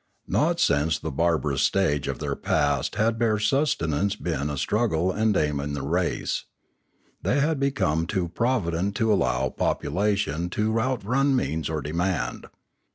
Not since the barbarous stage of their past had bare subsistence been a struggle and aim in the race. They had become too provident to allow population to outrun means or demand.